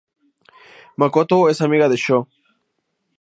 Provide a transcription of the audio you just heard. Makoto es amiga de Sho.